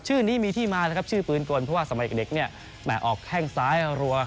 ชื่อนี้มีที่มานะครับชื่อปืนกลเพราะว่าสมัยเด็กเนี่ยแหมออกแข้งซ้ายรัว